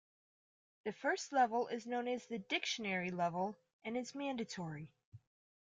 The first level is known as the "dictionary" level and is mandatory.